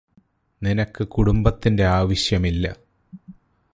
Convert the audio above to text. നിനക്ക് കുടുംബത്തിന്റെ ആവശ്യമില്ല